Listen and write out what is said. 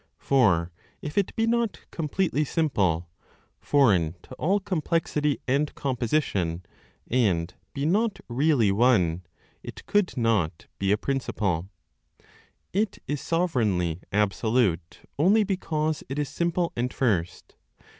For if it be not completely simple, foreign to all complexity and composition, and be not really one, it could not be a principle. It is sovereignly absolute only because it is simple and first.